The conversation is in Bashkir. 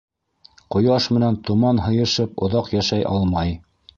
Ҡояш менән томан һыйышып оҙаҡ йәшәй алмай.